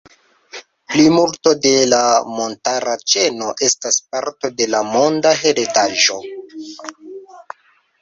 Plimulto de la montara ĉeno estas parto de la Monda heredaĵo.